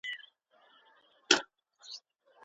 ادبیاتو پوهنځۍ په خپلسري ډول نه ویشل کیږي.